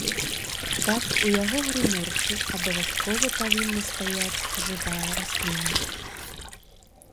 Так, у яго грымёрцы абавязкова павінна стаяць жывая расліна.